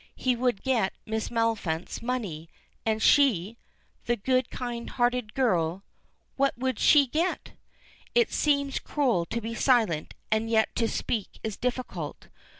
He would get Miss Maliphant's money, and she that good, kind hearted girl what would she get? It seems cruel to be silent, and yet to speak is difficult.